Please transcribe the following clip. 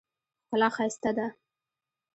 ښکلا ښایسته ده.